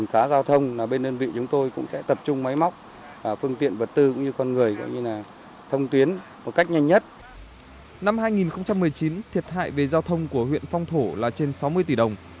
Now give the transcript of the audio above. năm hai nghìn một mươi chín thiệt hại về giao thông của huyện phong thổ là trên sáu mươi tỷ đồng